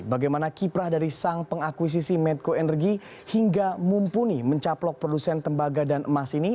bagaimana kiprah dari sang pengakuisisi medco energi hingga mumpuni mencaplok produsen tembaga dan emas ini